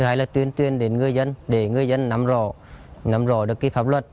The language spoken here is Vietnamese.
cái là tuyên tuyên đến người dân để người dân nắm rộ nắm rộ được cái pháp luật